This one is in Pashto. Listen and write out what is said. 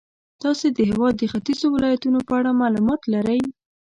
تاسې د هېواد د ختیځو ولایتونو په اړه معلومات لرئ.